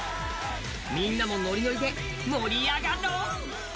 みんなもノリノリで盛り上がろう。